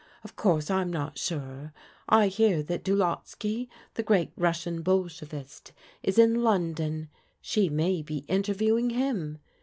Of course I'm not sure. I hear that Dulotsky the great Russian Bolshevist is in London. She may be interviewing him.